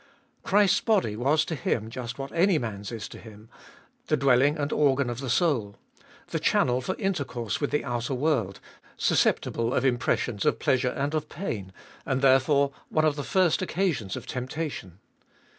Christ's body was to Him just what any man's is to him — the dwelling and organ of the soul ; the channel for intercourse with the outer world, susceptible of impressions of pleasure and of pain, and there fore one of the first occasions of temptation.